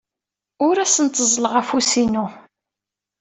Ur asen-tteẓẓleɣ afus-inu.